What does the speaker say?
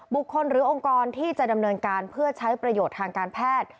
บุคคลหรือองค์กรที่จะดำเนินการเพื่อใช้ประโยชน์ทางการแพทย์